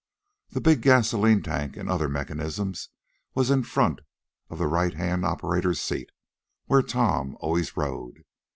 The big gasolene tank, and other mechanism was in front of the right hand operator's seat, where Tom always rode.